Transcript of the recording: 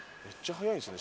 速いですね。